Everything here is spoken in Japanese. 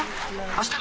あした？